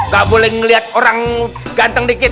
gak boleh ngeliat orang ganteng dikit